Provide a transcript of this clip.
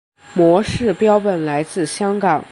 模式标本来自香港。